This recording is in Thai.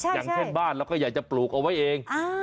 อย่างเช่นบ้านเราก็อยากจะปลูกเอาไว้เอง